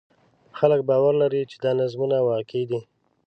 خلک باور لري چې دا نظمونه واقعي دي.